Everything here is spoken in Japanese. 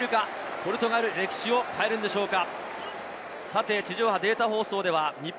ポルトガル、歴史を変えるんでしょうか。